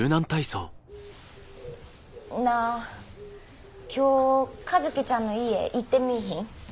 なあ今日和希ちゃんの家行ってみいひん？